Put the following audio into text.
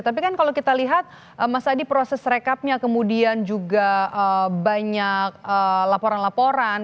tapi kan kalau kita lihat mas adi proses rekapnya kemudian juga banyak laporan laporan